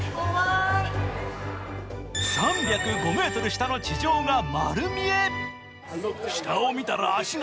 ３０５ｍ下の地上が丸見え！